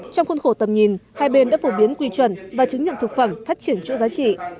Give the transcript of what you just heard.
trong khuôn khổ tầm nhìn hai bên đã phổ biến quy chuẩn và chứng nhận thực phẩm phát triển chuỗi giá trị